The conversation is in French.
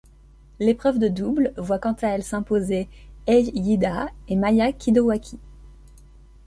L'épreuve de double voit quant à elle s'imposer Ei Iida et Maya Kidowaki.